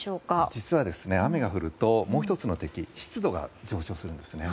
実は、雨が降るともう１つの敵湿度が上昇します。